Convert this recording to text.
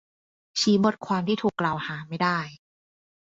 ชี้บทความที่ถูกกล่าวหาไม่ได้